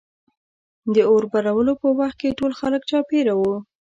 د اور بلولو په وخت کې ټول خلک چاپېره وي.